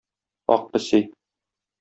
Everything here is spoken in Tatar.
Ак песи.